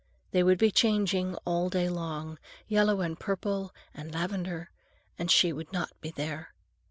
They would be changing all day long, yellow and purple and lavender, and she would not be there.